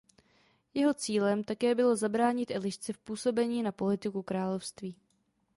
Jeho cílem také bylo zabránit Elišce v působení na politiku království.